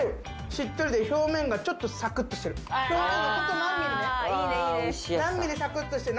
しっとりで表面がちょっとサクッとしてる。